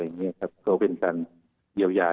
ให้นักสังคมส่งพ่อได้มาสอบรายละเอียดเกษตรว่า